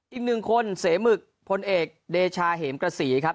อีกหนึ่งคนเสมึกพลเอกเดชาเหมกระสีครับ